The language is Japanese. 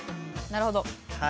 なるほど。